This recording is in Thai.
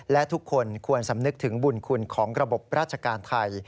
และทุกคนควรสำนึกถึงบุญคุณของระบบราชการไทย